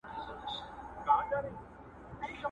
پر غزل مي دي جاګیر جوړ کړ ته نه وې!.